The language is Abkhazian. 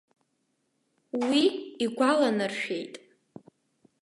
Уи игәаланаршәеит.